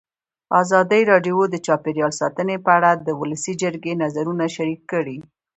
ازادي راډیو د چاپیریال ساتنه په اړه د ولسي جرګې نظرونه شریک کړي.